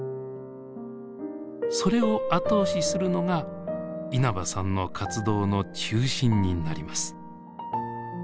それを後押しするのが稲葉さんの活動の中心になります。